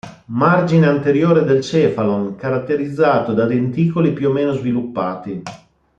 Margine anteriore del cephalon caratterizzato da denticoli più o meno sviluppati.